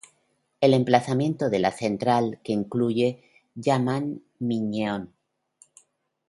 El emplazamiento de la central que incluye Yangnam-myeon.